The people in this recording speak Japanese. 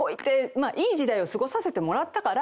いい時代を過ごさせてもらったから。